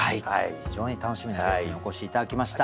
非常に楽しみなゲストにお越し頂きました。